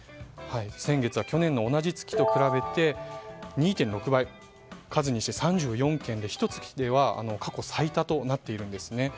先月は去年の同じ月と比べて２．６倍数にして３４件で、ひと月では過去最多となっているんですね。